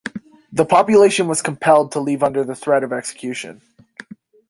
The population was compelled to leave under the threat of execution.